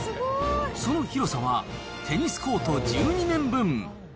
その広さはテニスコート１２面分。